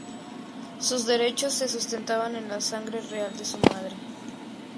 Sus derechos se sustentaban en la sangre real de su madre.